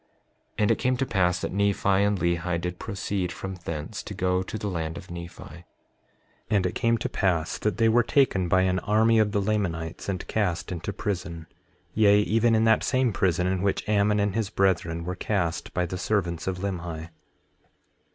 5:20 And it came to pass that Nephi and Lehi did proceed from thence to go to the land of Nephi. 5:21 And it came to pass that they were taken by an army of the Lamanites and cast into prison; yea, even in that same prison in which Ammon and his brethren were cast by the servants of Limhi.